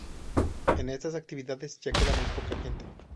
En estas actividades ya queda muy poca gente.